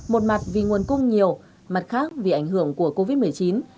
một mặt vì nguồn cung nhiều mặt khác vì ảnh hưởng của covid một mươi chín